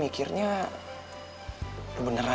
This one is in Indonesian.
wea likternya dia sendiri lama